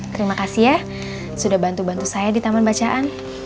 terima kasih ya sudah bantu bantu saya di taman bacaan